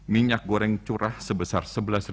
minyak goreng curah sebesar